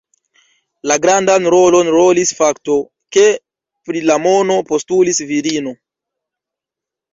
La grandan rolon rolis fakto, ke pri la mono postulis virino.